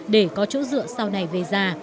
để có chỗ dựa sau này về già